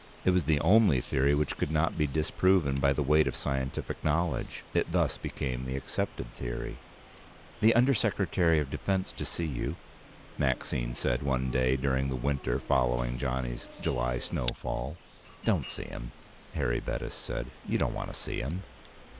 It was the only theory which could not be disproven by the weight of scientific knowledge. It thus became the accepted theory. "The Under Secretary of Defense to see you," Maxine said one day during the winter following Johnny's July snowfall. "Don't see him," Harry Bettis said. "You don't want to see him."